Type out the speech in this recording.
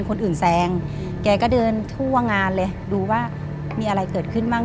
คนอื่นแซงแกก็เดินทั่วงานเลยดูว่ามีอะไรเกิดขึ้นบ้าง